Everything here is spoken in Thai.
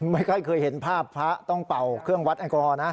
ไม่ค่อยเคยเห็นภาพพระต้องเป่าเครื่องวัดแอลกอฮอลนะ